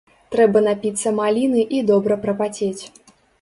Трэба напіцца маліны і добра прапацець.